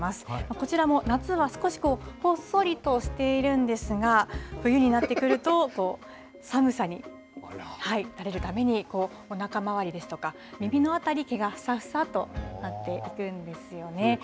こちらも夏は少しこう、ほっそりとしているんですが、冬になってくると、こう、寒さに慣れるために、おなかまわりですとか、耳の辺り、毛がふさふさとなっていくんですよね。